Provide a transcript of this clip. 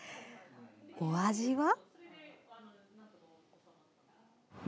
お味は。